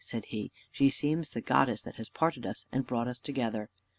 said he; "she seems the goddess that has parted us, and brought us thus together."